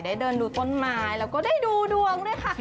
ได้เดินดูต้นไม้แล้วก็ได้ดูดวงด้วยค่ะ